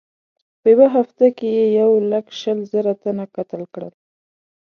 په یوه هفته کې یې یو لک شل زره تنه قتل کړل.